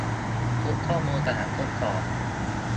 ชุดข้อมูลสำหรับทดสอบ